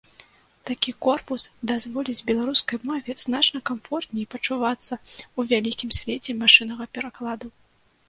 Такі корпус дазволіць беларускай мове значна камфортней пачувацца ў вялікім свеце машыннага перакладу.